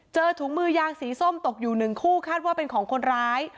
ถุงมือยางสีส้มตกอยู่หนึ่งคู่คาดว่าเป็นของคนร้าย